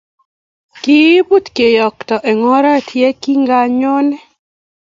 Kebut kiotok eng' oret ye kanganyoni.